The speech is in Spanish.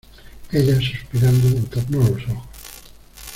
ella, suspirando , entornó los ojos